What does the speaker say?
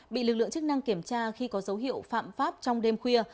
bị lực lượng chức năng kiểm tra khi có dấu hiệu phạm pháp trong đêm khuya